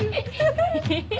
フフフ。